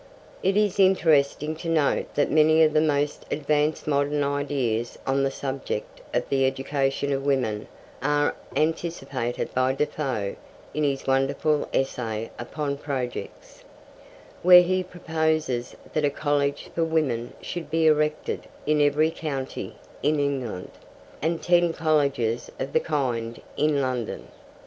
It is interesting to note that many of the most advanced modern ideas on the subject of the education of women are anticipated by Defoe in his wonderful Essay upon Projects, where he proposes that a college for women should be erected in every county in England, and ten colleges of the kind in London.